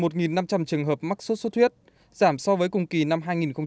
trong trường hợp mắc sốt xuất huyết giảm so với cùng kỳ năm hai nghìn một mươi chín